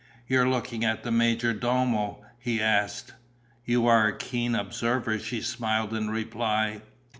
"You're looking at the major domo?" he asked. "You are a keen observer," she smiled in reply.